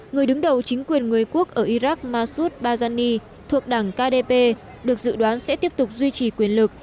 người đứng đầu chính quyền người quốc ở iraq masud bajani thuộc đảng kdp được dự đoán sẽ tiếp tục duy trì quyền lực